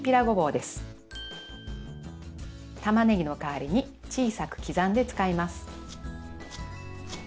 たまねぎの代わりに小さく刻んで使います。